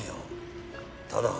ただ。